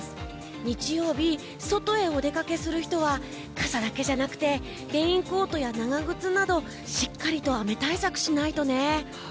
日曜日外へお出かけする人は傘だけじゃなくてレインコートや長靴などしっかりと雨対策しないとね。